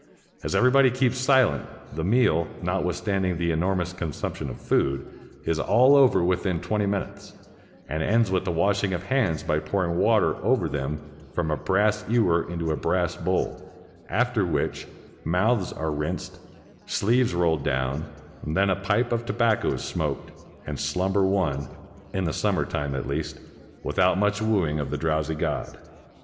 As everybody keeps silent, the meal, notwithstanding the enormous consumption of food, is all over within twenty minutes, and ends with the washing of hands by pouring water over them from a brass ewer into a brass bowl; after which mouths are rinsed, sleeves rolled down, then a pipe of tobacco is smoked, and slumber won, in siunmer time, at least, without much wooing of the drowsy god.